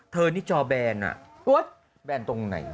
เธอนี่จอแบนแบนตรงไหน